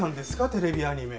テレビアニメ。